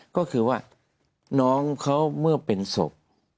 ก็คือว่าน้องเขาเมื่อเป็นศพ